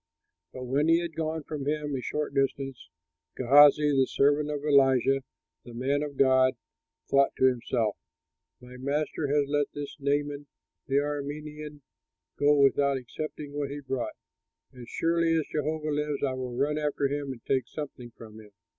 But when he had gone from him a short distance, Gehazi, the servant of Elisha the man of God, thought to himself, "My master has let this Naaman the Aramean go without accepting what he brought! As surely as Jehovah lives, I will run after him and take something from him."